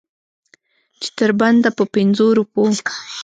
چې تر بنده په پنځو روپو.